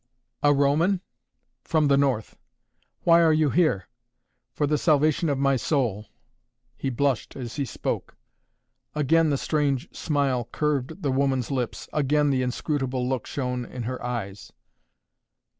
"A Roman?" "From the North!" "Why are you here?" "For the salvation of my soul!" He blushed as he spoke. Again the strange smile curved the woman's lips, again the inscrutable look shone in her eyes.